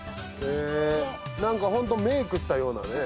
何かホントメイクしたようなね